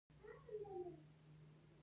ښوونځی د سولې پیغام رسوي